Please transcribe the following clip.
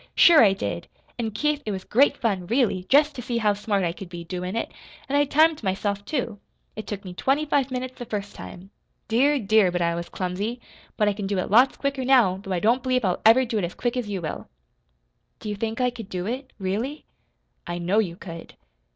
"Sure I did! An' Keith, it was great fun, really, jest to see how smart I could be, doin' it. An' I timed myself, too. It took me twenty five minutes the first time. Dear, dear, but I was clumsy! But I can do it lots quicker now, though I don't believe I'll ever do it as quick as you will." "Do you think I could do it, really?" "I know you could."